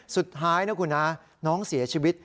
สุดท้ายนะคุณนะน้องเสียชีวิต